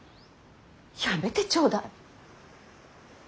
やめてちょうだい。